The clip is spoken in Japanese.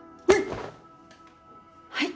はい！